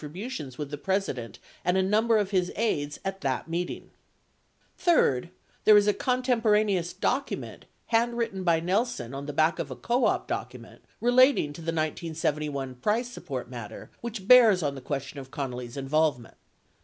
654 butions with the President and a number of his aides at that meeting Third, there is a contemporaneous document handwritten by Nel son on the back of a co op document relating to the 1971 price support matter which bears on the question of Connally's involve ment.